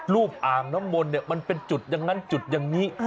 อ่างน้ำมนต์เนี่ยมันเป็นจุดอย่างนั้นจุดอย่างนี้